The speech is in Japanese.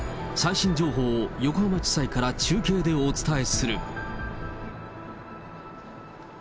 最新情報を横浜地裁から中継でお伝えする。